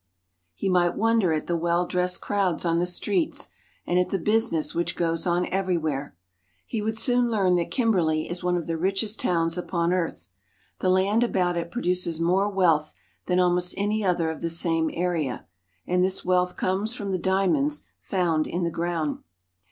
He might wonder at the well ^^H dressed crowds on the streets and at the business which ^^H goes on everywhere. He would soon learn that Kimberiey ^^H is one of the richest towns upon earth. The land about it ^^H produces more wealth than almost any other of the same ^^H area ; and this wealth comes from the diamonds found ^^H in the ground.